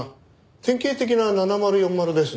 典型的な７０４０ですね。